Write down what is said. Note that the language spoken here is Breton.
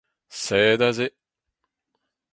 Sed aze !